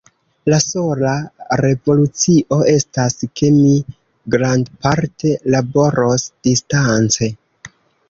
La sola revolucio estas, ke mi grandparte laboros distance.